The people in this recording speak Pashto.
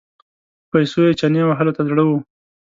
په پیسو یې چنې وهلو ته زړه و.